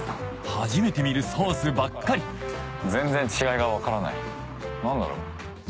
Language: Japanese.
初めて見るソースばっかり全然違いが分からない何だろう？